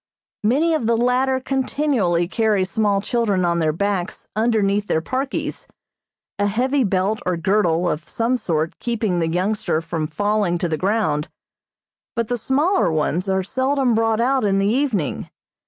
Many of the latter continually carry small children on their backs underneath their parkies, a heavy belt or girdle of some sort keeping the youngster from falling to the ground, but the smaller ones are seldom brought out in the evening.